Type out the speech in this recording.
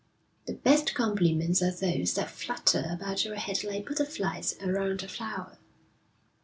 'The best compliments are those that flutter about your head like butterflies around a flower.'